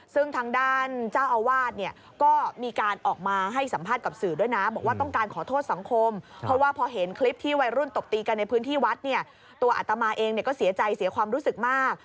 ซึ่งทางด้านเจ้าอาวาสเนี่ยก็มีการออกมาให้สัมภาษณ์กับสื่อด้วยนะบอกว่าต้องการขอโทษสังคมเพราะว่าพอเห็นคลิปที่วัยรุ่นตบตีกันในพื้นที่วัดเนี่ยตัวอัตมาเองเนี่ยก็เสียใจเสียความรู้สึกมาก